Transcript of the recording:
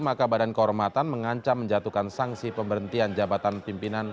maka badan kehormatan mengancam menjatuhkan sanksi pemberhentian jabatan pimpinan